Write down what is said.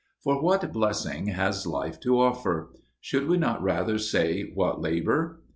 For what blessing has life to offer? Should we not rather say what labour?